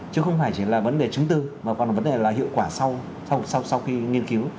chứ không phải chỉ là vấn đề chứng tư mà còn vấn đề là hiệu quả sau khi nghiên cứu